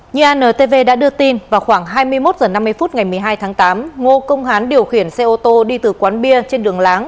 như antv đã đưa tin vào khoảng hai mươi một h năm mươi phút ngày một mươi hai tháng tám ngô công hán điều khiển xe ô tô đi từ quán bia trên đường láng